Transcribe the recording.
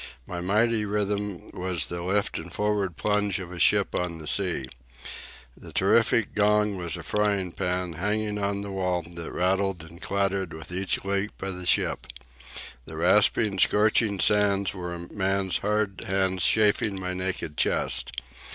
My mighty rhythm was the lift and forward plunge of a ship on the sea. The terrific gong was a frying pan, hanging on the wall, that rattled and clattered with each leap of the ship. The rasping, scorching sands were a man's hard hands chafing my naked chest.